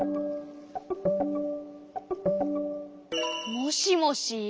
もしもし？